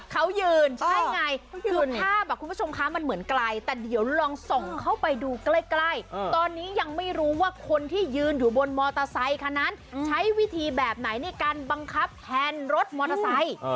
เขายืนใช่ไงคือภาพคุณผู้ชมคะมันเหมือนไกลแต่เดี๋ยวลองส่องเข้าไปดูใกล้ตอนนี้ยังไม่รู้ว่าคนที่ยืนอยู่บนมอเตอร์ไซคันนั้นใช้วิธีแบบไหนในการบังคับแทนรถมอเตอร์ไซค์